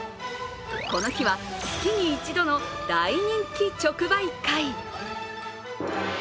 この日は月に一度の大人気直売会。